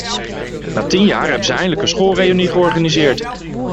Na tien jaar hebben ze eindelijk een schoolreünie georganiseerd.